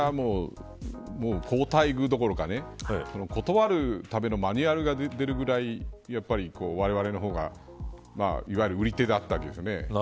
それはもう好待遇どころか断るためのマニュアルが出るくらいわれわれの方がいわゆる売り手だったわけですよね。